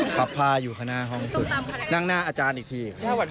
ผ้าอยู่ข้างหน้าห้องสุดนั่งหน้าอาจารย์อีกที